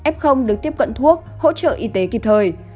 f được tiếp cận thuốc hỗ trợ y tế kịp thời